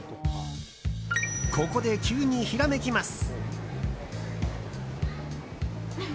ここで急にひらめきます。